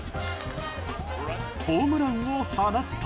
ホームランを放つと。